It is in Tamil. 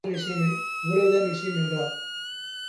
இவ்வளவுதான் விஷயம் என்றார்.